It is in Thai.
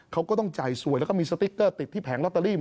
ยังไม่ได้หมดแค่ลอตเตอรี่